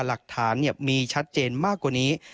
หลักฐานมีชัดเจนมากกว่านี้